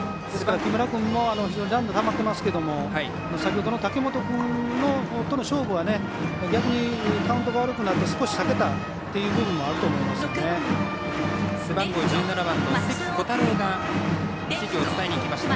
木村君もランナーたまっていますが先ほどの武本君との勝負は逆にカウントが悪くなって少し避けたというのもあると思いますよね。